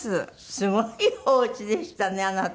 すごいお家でしたねあなた。